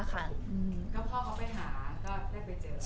ก็พ่อเขาไปหาก็ได้ไปเจอ